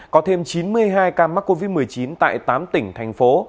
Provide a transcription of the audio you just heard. có thêm chín mươi hai ca mắc covid một mươi chín tại tám tỉnh thành phố